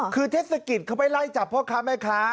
คือเทศกิจเขาไปไล่จับพ่อค้าแม่ค้า